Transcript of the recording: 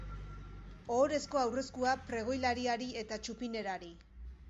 Ohorezko aurreskua pregoilariari eta txupinerari.